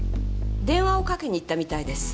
電話をかけに行ったみたいです。